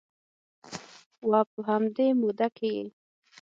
و په همدې موده کې یې